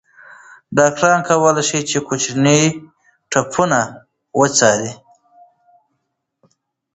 ډاکټران کولی شي کوچني ټپونه وڅاري.